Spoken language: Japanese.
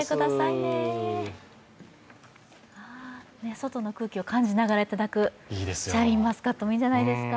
外の空気を感じながらいただくシャインマスカットもいいんじゃないですか。